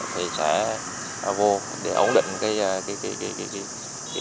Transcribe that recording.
thì sẽ vô để ổn định